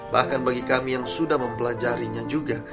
bahkan bagi kami yang sudah mempelajarinya juga